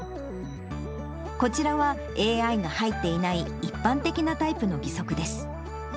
こちらはＡＩが入っていない、一般的なタイプの義足です。